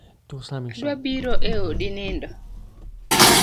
Adwa biro e odi nindo